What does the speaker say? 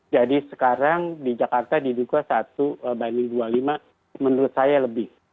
jadi sekarang di jakarta diduka satu banding dua puluh lima menurut saya lebih